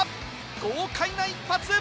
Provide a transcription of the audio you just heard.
豪快な一発！